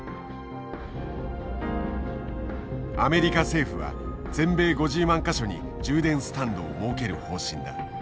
アメリカ政府は全米５０万か所に充電スタンドを設ける方針だ。